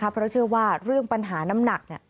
เพราะเชื่อว่าเรื่องปัญหาน้ำหนัก